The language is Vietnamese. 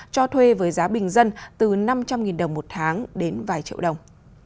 cho thuê với giá bình dân từ năm trăm linh đồng một tháng đến vài triệu đồng